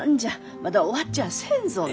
まだ終わっちゃあせんぞね。